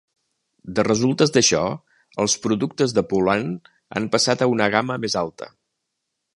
De resultes d'això, els productes de Poulan han passat a una gamma més alta.